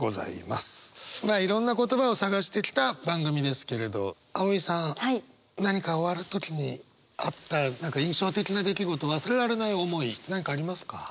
まあいろんな言葉を探してきた番組ですけれど葵さん何か終わる時にあった何か印象的な出来事忘れられない思い何かありますか？